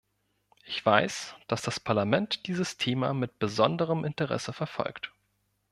Ich weiß, dass das Parlament dieses Thema mit besonderem Interesse verfolgt.